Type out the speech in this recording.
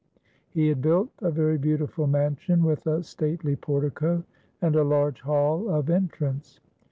He had built a very beautiful mansion with a stately portico and a large hall of entrance.